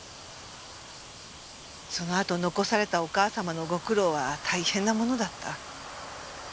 そのあと残されたお母様のご苦労は大変なものだった。